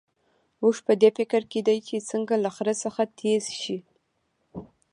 اوښ په دې فکر کې دی چې څنګه له خره څخه ډېر تېز شي.